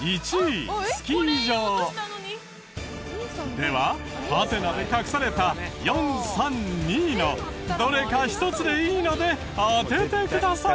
ではハテナで隠された４３２位のどれか１つでいいので当ててください。